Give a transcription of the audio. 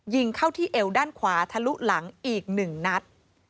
ยิงเข้าที่เอวด้านขวาทะลุหลังอีก๑นัด